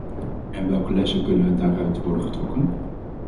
En welke lessen kunnen daaruit worden getrokken?